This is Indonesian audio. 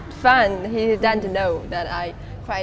dia menangis untuk mengetahui bahwa saya menangis